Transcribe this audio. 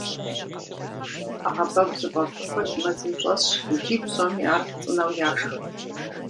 Ӏэгъэбэгу зыфӏэфӏ куэд мэзым щӏэсщ, икӏи псоми ар цӏынэу яшх.